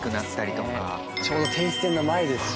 ちょうど停止線の前ですし。